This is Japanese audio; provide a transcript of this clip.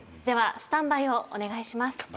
ではスタンバイをお願いします。